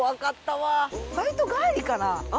バイト帰りかな？